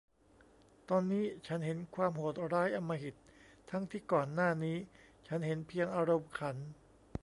ตอนนี้ฉันเห็นความโหดร้ายอำมหิต ทั้งที่ก่อนหน้านี้ฉันเห็นเพียงอารมณ์ขัน